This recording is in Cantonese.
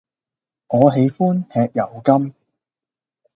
我喜歡吃油柑